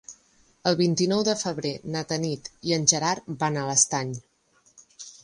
El vint-i-nou de febrer na Tanit i en Gerard van a l'Estany.